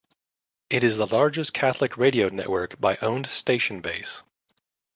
It is the largest Catholic radio network by owned station base.